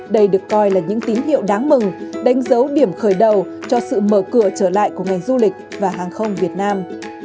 đây được coi là những tín hiệu đáng mừng đánh dấu điểm khởi đầu cho sự mở cửa trở lại của ngành du lịch và hàng không việt nam